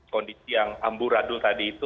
kondisi yang amburadul tadi itu